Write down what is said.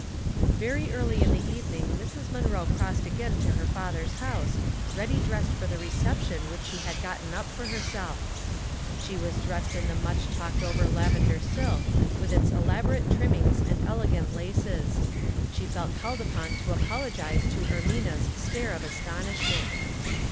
Very early in the evening Mrs. Munroe crossed again to her father's house, ready dressed for the reception which she had gotten up for herself. She was dressed in the much talked 15 226 Household Puzzles, over lavender silk, with its elaborate trimmings and elegant laces. She felt called upon to apologize to Ermiua's stare of astonishment.